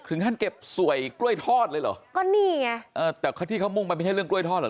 ท่านเก็บสวยกล้วยทอดเลยเหรอก็นี่ไงเออแต่ที่เขามุ่งมันไม่ใช่เรื่องกล้วยทอดเหรอ